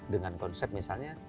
dengan konsep misalnya